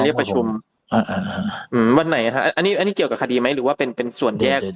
อืมวันไหนฮะอันนี้อันนี้เกี่ยวกับคดีไหมหรือว่าเป็นเป็นส่วนแยก